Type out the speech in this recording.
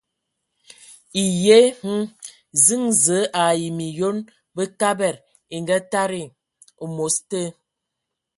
Eyǝ hm ziŋ zəǝ ai myɔŋ Bəkabad e ngatadi am̌os te.